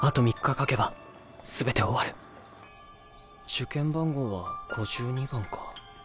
受験番号は５２番か。